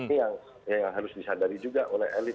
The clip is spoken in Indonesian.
ini yang harus disadari juga oleh elit